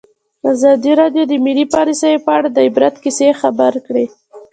ازادي راډیو د مالي پالیسي په اړه د عبرت کیسې خبر کړي.